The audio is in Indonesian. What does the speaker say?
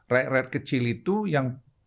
rakyat rakyat kecil itu yang